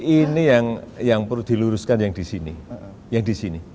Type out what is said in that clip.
ini yang perlu diluruskan yang di sini